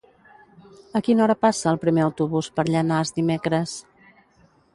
A quina hora passa el primer autobús per Llanars dimecres?